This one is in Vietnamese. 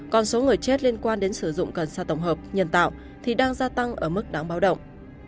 còn số người chết liên quan đến sử dụng cần sa tổng hợp nhân tạo thì đang gia tăng ở mức đáng báo động